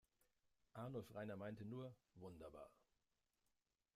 Arnulf Rainer meinte nur: "Wunderbar.